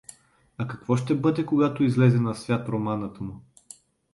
А какво ще бъде, когато излезе на свят романът му?